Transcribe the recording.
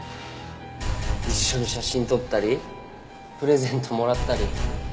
一緒に写真撮ったりプレゼントもらったり。